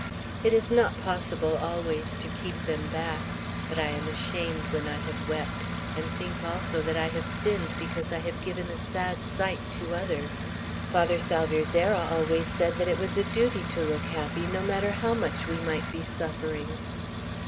It is not possible always to keep them back; but I am ashamed when I have wept, and think also that I have sinned, because I have given a sad sight to others. Father Salvierderra always said that it was a duty to look happy, no matter how much we might be suffering."